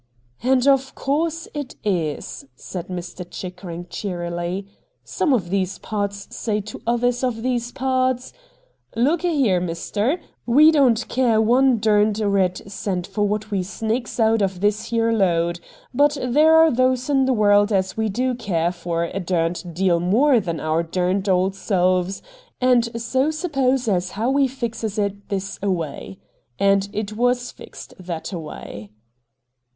' And, of course it is,' said Mi\ Chickering, cheerily. ' Some of these pards say to others of these pards :" Look ahere, mister, we don't care one derned red cent for what we snakes out of this here lode. But there are those in the world as we do care for a derned deal more than our derned old selves, and so suppose as how we fixes it this away," and it was fixed that away.'